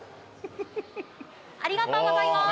ありがとうございます。